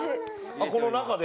あっこの中で？